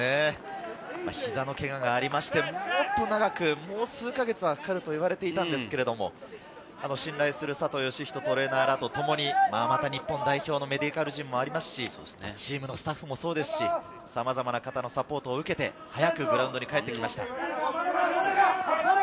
膝のけががありまして、本当に長く、もう数か月はかかると言われていたんですけれど、信頼する佐藤義人トレーナーらとともに日本代表のメディカル陣もありますし、チームのスタッフもそうですし、さまざまな方のサポートを受けて、早くグラウンドに帰ってきました。